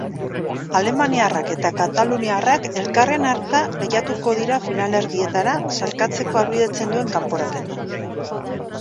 Alemaniarrak eta kataluniarrak elkarren aurka lehiatuko dira finalerdietara sailkatzea ahalbidetzen duen kanporaketan.